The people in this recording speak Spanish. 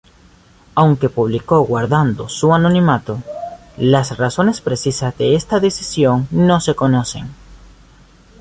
Aunque publicó guardando su anonimato, las razones precisas de esta decisión no se conocen.